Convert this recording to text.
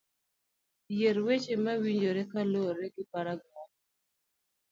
Yier weche mowinjore kaluwore gi paragraf